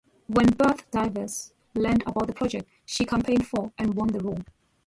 When Bette Davis learned about the project, she campaigned for and won the role.